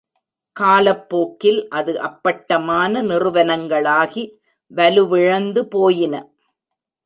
காலப்போக்கில் அது அப்பட்டமான நிறுவனங்களாகி வலுவிழந்து போயின.